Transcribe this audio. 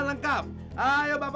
iya kebetulan nih